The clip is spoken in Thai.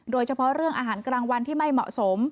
โดยเฉพาะเรื่องอาหารกลางวันที่ไม่เหมาะสม